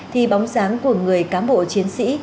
thì bóng dáng của người cán bộ chiến sĩ